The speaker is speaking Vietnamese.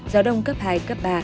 gió đông cấp hai cấp ba